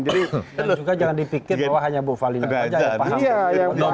juga jangan dipikir bahwa hanya bu falina saja yang paham